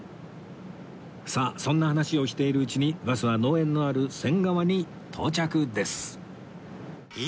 さあそんな話をしているうちにバスは農園のある仙川に到着です